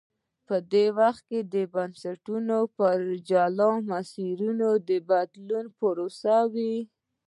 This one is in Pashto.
په دې وخت کې بنسټونه پر جلا مسیرونو د بدلون پروسې ووه.